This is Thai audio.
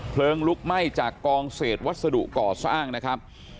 ลุกไหม้จากกองเศษวัสดุก่อสร้างนะครับ